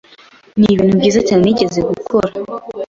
Nibintu byiza cyane nigeze gukora.